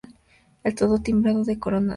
El todo timbrado de Corona Real.